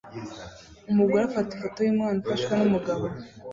Umugore afata ifoto yumwana ufashwe numugabo